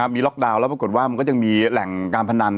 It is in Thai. มีล็อกดาวน์แล้วปรากฏว่ามันก็ยังมีแหล่งการพนัน